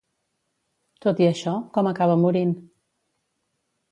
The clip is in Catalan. Tot i això, com acaba morint?